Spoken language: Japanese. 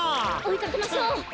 おいかけましょう。